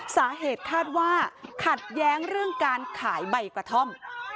สาเหตุคาดว่าขัดแย้งเรื่องการขายใบกระท่อม